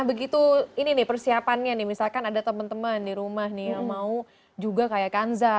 begitu ini nih persiapannya nih misalkan ada teman teman di rumah nih yang mau juga kayak kanza